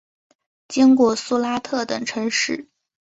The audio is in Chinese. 经过苏拉特等城市。